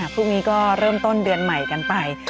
พรุ่งนี้ก็เริ่มต้นเดือนใหม่กันไป